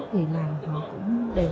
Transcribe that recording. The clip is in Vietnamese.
thì là họ cũng đều